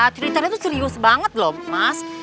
twitternya itu serius banget loh mas